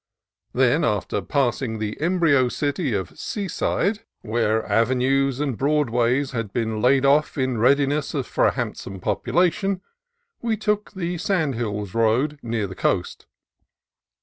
Then, after passing the embryo city of Sea side, where Avenues and Broadways had been laid off in readiness for a handsome population, we took the "sand hills" road near the coast.